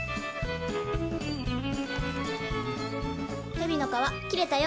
ヘビの皮切れたよ